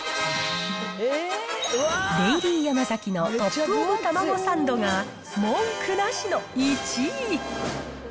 デイリーヤマザキのトップオブタマゴサンドが文句なしの１位。